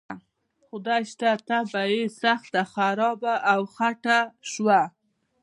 خدای شته طبعه یې سخته خرابه او خټه شوه.